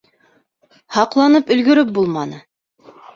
Һаҡланып өлгөрөп булманы.